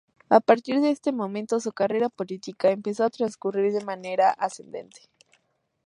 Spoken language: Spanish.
A partir de ese momento, su carrera política empezó a transcurrir de manera ascendente.